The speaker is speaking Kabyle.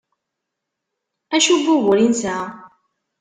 Acu n wugur i nesɛa?